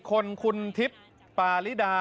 คนคุณทิพย์ปาริดา